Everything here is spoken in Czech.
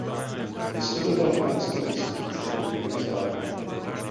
Vystudoval arabskou vysokou školu v Jeruzalému.